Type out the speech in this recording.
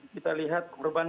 kita lihat keberbanan